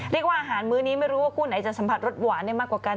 เรียกว่าอาหารมื้อนี้ไม่รู้ว่าคู่ไหนจะสัมผัสรสหวานได้มากกว่ากัน